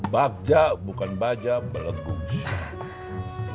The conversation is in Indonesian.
bapja bukan baja belegungs